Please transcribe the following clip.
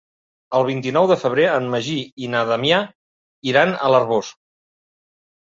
El vint-i-nou de febrer en Magí i na Damià iran a l'Arboç.